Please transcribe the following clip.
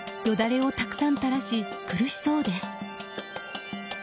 よだれをたくさん垂らし苦しそうです。